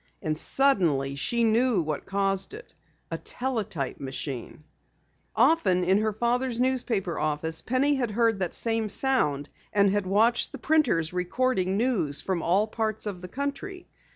And suddenly she knew what caused it a teletype machine! Often in her father's newspaper office Penny had heard that same sound and had watched the printers recording news from all parts of the country.